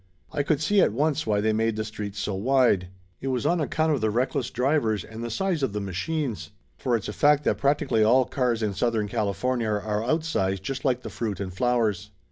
I could see at once why they made the streets so wide. It was on account of the reckless drivers, and the size of the machines. For it's a fact that practically all cars in Southern California are out sized just like the fruit and flowers.